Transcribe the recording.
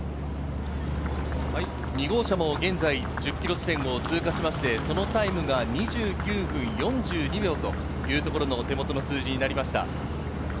２号車も現在１０ｋｍ地点を通過しましてそのタイムが２９分４２秒という手元の数字になりました。